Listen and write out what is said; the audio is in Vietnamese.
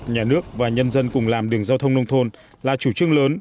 nhà nước và nhân dân cùng làm đường giao thông nông thôn là chủ trương lớn